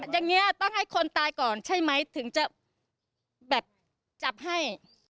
อย่างนี้ต้องให้คนตายก่อนใช่ไหมถึงจะแบบจับให้